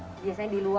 biasanya di luar